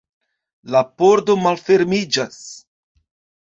La pordo malfermiĝas.